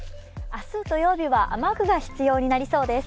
明日、土曜日は雨具が必要となりそうです。